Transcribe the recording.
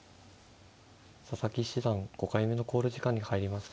佐々木七段５回目の考慮時間に入りました。